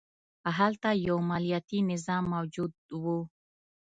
هلته یو مالیاتي نظام موجود و